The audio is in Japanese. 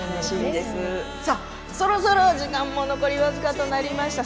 そろそろ時間も残り僅かとなりました。